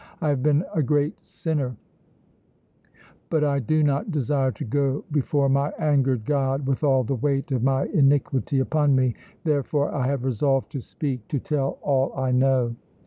I have been a great sinner, but I do not desire to go before my angered God with all the weight of my iniquity upon me; therefore, I have resolved to speak, to tell all I know!"